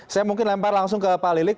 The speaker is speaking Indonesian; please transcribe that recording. saya mungkin lempar langsung ke pak lilik